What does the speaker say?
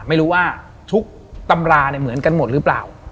คือว่าทุกตำราเหมือนกันหมดหรือเปล่า